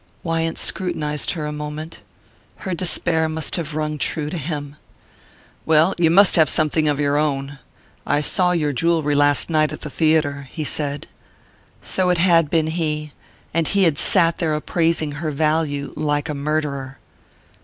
Wyant scrutinized her a moment: her despair must have rung true to him. "Well, you must have something of your own I saw your jewelry last night at the theatre," he said. So it had been he and he had sat there appraising her value like a murderer!